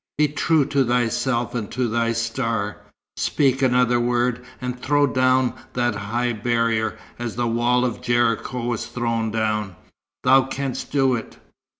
Be true to thyself and to thy star. Speak another word, and throw down that high barrier, as the wall of Jericho was thrown down. Thou canst do it.